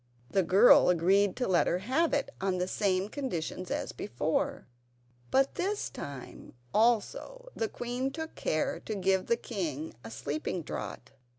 The girl agreed to let her have it on the same conditions as before; but this time, also, the queen took care to give the king a sleeping draught.